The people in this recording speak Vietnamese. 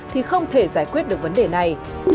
thì không thể giải quyết được vấn đề này